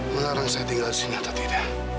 melarang saya tinggal di sini atau tidak